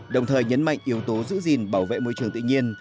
đồng thời nhấn mạnh yếu tố giữ gìn bảo vệ môi trường tự nhiên